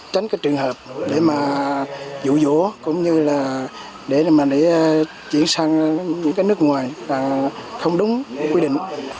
tránh cái trường hợp để mà dụ dỗ cũng như là để mà để chuyển sang những cái nước ngoài là không đúng quy định